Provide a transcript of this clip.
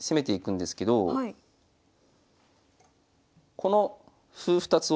この歩２つをね